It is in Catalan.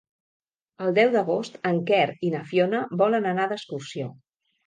El deu d'agost en Quer i na Fiona volen anar d'excursió.